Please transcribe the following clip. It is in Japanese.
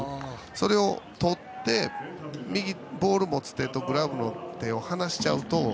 それを、とってボールを持つ手とグラブの手を離しちゃうと。